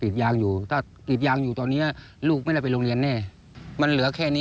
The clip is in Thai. ต้นทุนมันมากกว่าแล้ว